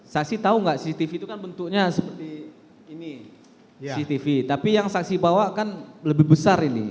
saksi tahu nggak cctv itu kan bentuknya seperti ini cctv tapi yang saksi bawa kan lebih besar ini